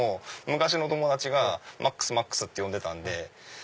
昔の友達がマックスマックスって呼んでたんで。